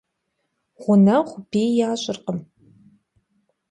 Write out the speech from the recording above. Ğuneğu biy yaş'ırkhım.